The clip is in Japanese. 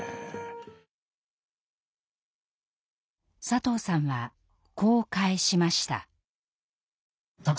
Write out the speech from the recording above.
佐藤さんはこう返しました。